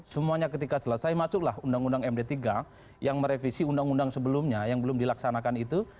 semuanya ketika selesai masuklah undang undang md tiga yang merevisi undang undang sebelumnya yang belum dilaksanakan itu